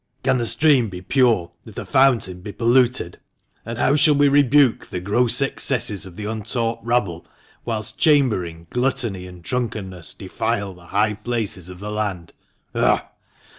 Can the stream be pure if the fountain be polluted ? And how shall we rebuke the gross excesses of the untaught rabble whilst chambering, gluttony, and drunkenness defile the high places of the land ? Ugh